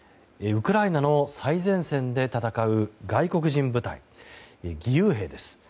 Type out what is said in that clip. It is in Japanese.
ウクライナの最前線で戦う外国人部隊義勇兵です。